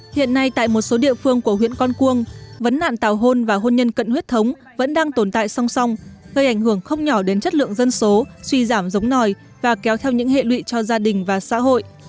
hiện nay tại một số địa phương của huyện con cuông vấn nạn tảo hôn và hôn nhân cận huyết thống vẫn đang tồn tại song song gây ảnh hưởng không nhỏ đến chất lượng dân số suy giảm giống nòi và kéo theo những hệ lụy cho gia đình và xã hội